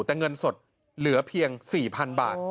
แต่เงินสดเหลือเพียง๔๐๐๐บาท